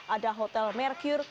ada hotel merkur